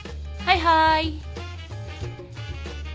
はいはーい